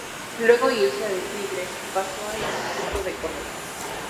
Luego irse de Tigre pasó a Instituto de Córdoba.